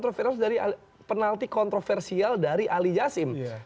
satu aja itu pun penalti kontroversial dari ali jasim